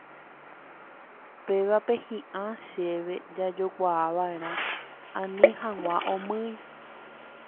Pévape hi'ã chéve jajokuava'erã ani hag̃ua omýi.